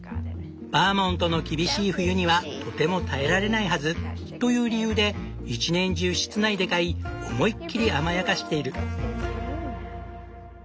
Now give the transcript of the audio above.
バーモントの厳しい冬にはとても耐えられないはずという理由で一年中室内で飼い思いっきり甘やかしている。